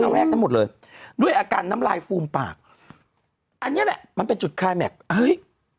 แวกนั้นหมดเลยด้วยอาการน้ำลายฟูมปากอันเนี้ยแหละมันเป็นจุดคลายแม็กซ์เฮ้ย